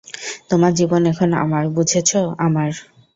তোমার জীবন এখন আমার, বুঝেছ আমার?